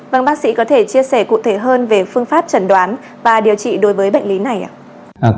vâng bác sĩ có thể chia sẻ cụ thể hơn về phương pháp chẩn đoán và điều trị đối với bệnh lý này ạ